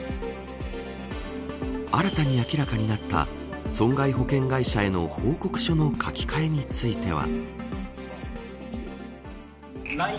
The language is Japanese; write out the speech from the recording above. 新たに明らかになった損害保険会社への報告書の書き換えについては。